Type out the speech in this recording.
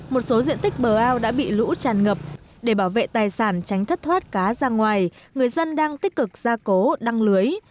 một số diện tích bờ ao đã bị lũ tràn ngập để bảo vệ tài sản tránh thất thoát cá ra ngoài người dân đang tích cực gia cố đăng lưới